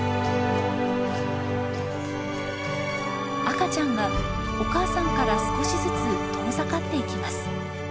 赤ちゃんがお母さんから少しずつ遠ざかっていきます。